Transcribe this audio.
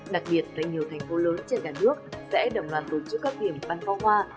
đặc biệt tại nhiều thành phố lớn trên cả nước sẽ đồng loạt tổ chức các điểm bán pháo hoa